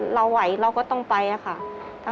เราไหวเราก็ต้องไปค่ะ